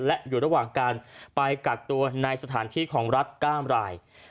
และอยู่ระหว่างการไปกักตัวในสถานที่ของรัฐ๙ราย